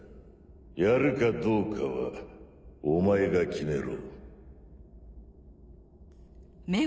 やるかどうかはお前が決めろ。